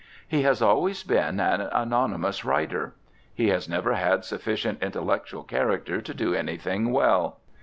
He has always been an anonymous writer. He has never had sufficient intellectual character to do anything well.